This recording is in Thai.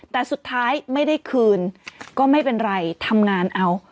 แต่สุดท้ายไม่ได้คืนก็ไม่เป็นไรทำงานเอา